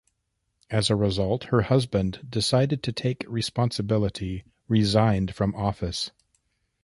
As a result, her husband decided to take responsibility, resigned from office.